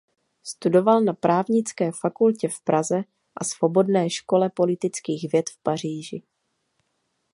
Studoval na právnické fakultě v Praze a Svobodné škole politických věd v Paříži.